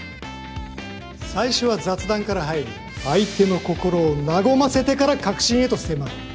最初は雑談から入り相手の心を和ませてから核心へと迫る